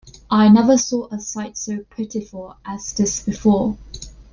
I never saw a sight so pitiful as this before!